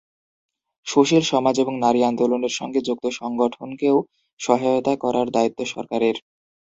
সুশীল সমাজ এবং নারী আন্দোলনের সঙ্গে যুক্ত সংগঠনকেও সহায়তা করার দায়িত্ব সরকারের।